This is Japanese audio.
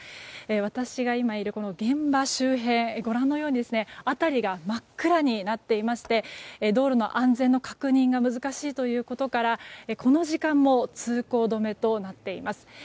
私が今いる現場周辺はご覧のように辺りが真っ暗になっていまして道路の安全の確認が難しいということからこの時間も通行止めとなっています。